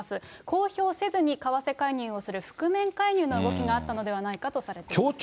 公表せずに為替介入をする覆面介入の動きがあったのではないかとされています。